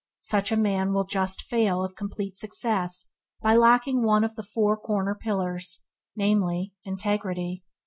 Such a man will just fail of complete success by lacking one of the four corner pillars, namely, Integrity.